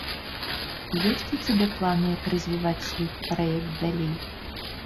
Ёсць у цябе планы, як развіваць свой праект далей?